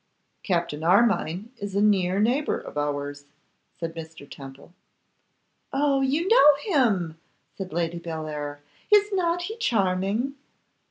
'Captain Armine is a near neighbour of ours,' said Mr. Temple. 'Oh! you know him,' said Lady Bellair. 'Is not he charming?